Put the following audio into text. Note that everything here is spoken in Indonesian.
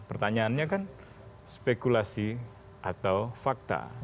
pertanyaannya kan spekulasi atau fakta